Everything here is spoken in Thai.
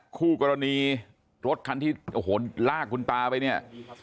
คู่กรณีรถคันที่โอ้โหลากคุณตาไปเนี่ย